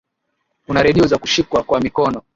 kuna redio za kushikwa kwa mikono